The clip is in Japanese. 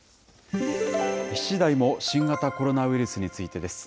７時台も新型コロナウイルスについてです。